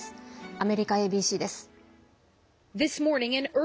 アメリカＡＢＣです。